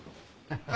ハハハ。